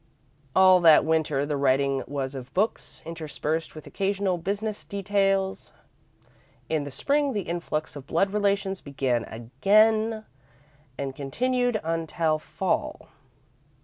All that Winter, the writing was of books, interspersed with occasional business details. In the Spring, the influx of blood relations began again and continued until Fall.